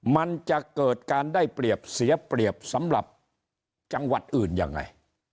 มันจะเกิดการได้เปรียบเสียเปรียบสำหรับจังหวัดอื่นยังไง